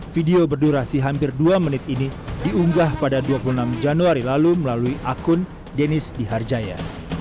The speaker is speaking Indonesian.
video berdurasi hampir dua menit ini diunggah pada dua puluh enam januari lalu melalui akun denis diharjaya